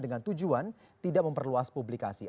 dengan tujuan tidak memperluas publikasi